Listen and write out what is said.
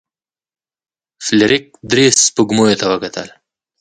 فلیریک درې سپوږمیو ته وکتل.